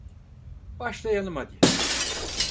Başlayalım hadi.